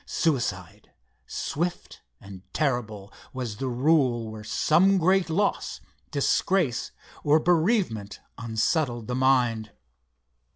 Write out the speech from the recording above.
Suicide, swift and terrible, was the rule where some great loss, disgrace, or bereavement unsettled the mind.